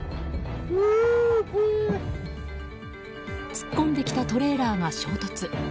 突っ込んできたトレーラーが衝突。